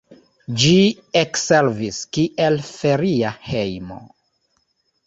Ĝi ekservis kiel feria hejmo.